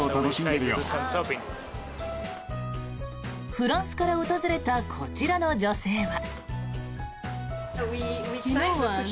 フランスから訪れたこちらの女性は。